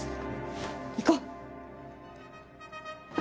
行こう！